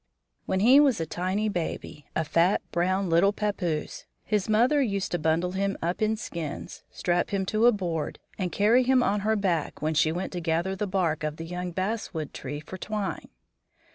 When he was a tiny baby, a fat, brown, little pappoose, his mother used to bundle him up in skins, strap him to a board, and carry him on her back when she went to gather the bark of the young basswood tree for twine.